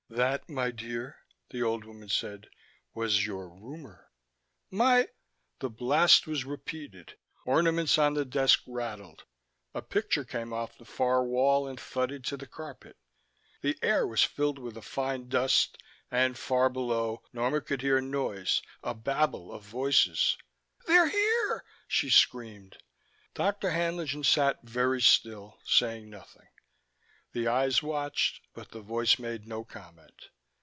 "That, my dear," the old woman said, "was your rumor." "My " The blast was repeated. Ornaments on the desk rattled, a picture came off the far wall and thudded to the carpet. The air was filled with a fine dust and, far below, Norma could hear noise, a babel of voices.... "They're here!" she screamed. Dr. Haenlingen sat very still, saying nothing. The eyes watched, but the voice made no comment.